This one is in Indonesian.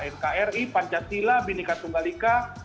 nkri pancasila binika tunggalika